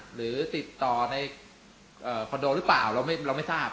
หรือติดต่อในคอนโดหรือเปล่าเราไม่ทราบ